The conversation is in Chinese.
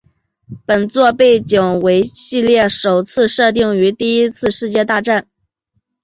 本作的背景为系列首次设定于第一次世界大战。